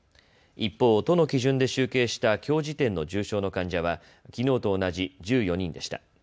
一方、都の基準で集計したきょう時点の重症の患者はきのうと同じ１４人でした。